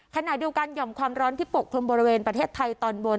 ขณะเดียวกันหย่อมความร้อนที่ปกคลุมบริเวณประเทศไทยตอนบน